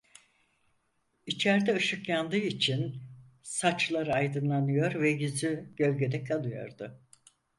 İçerde ışık yandığı için saçları aydınlanıyor ve yüzü gölgede kalıyordu.